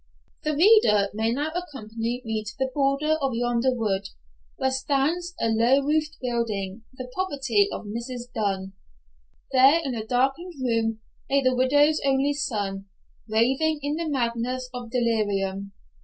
The reader may now accompany me to the border of yonder wood, where stands a low roofed building, the property of Mrs. Dunn. There in a darkened room lay the widow's only son, raving in the madness of delirium.